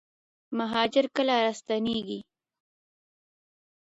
مهاجر کله راستنیږي؟